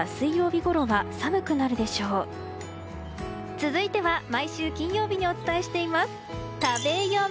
続いては毎週金曜日にお伝えしています、食べヨミ。